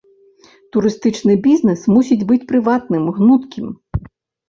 Турыстычны бізнес мусіць быць прыватным, гнуткім.